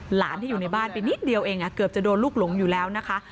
หลานที่อยู่ในบ้านไปนิดเดียวเองเกือบจะโดนลูกหลงอยู่แล้วนะคะ